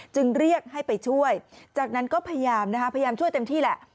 จึงเรียกให้ไปช่วยจากนั้นก็พยายามนะคะพยายามช่วยเต็มที่แหละ